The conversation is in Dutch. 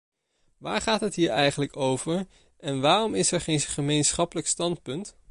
Waar gaat het hier eigenlijk over en waarom is er geen gemeenschappelijk standpunt?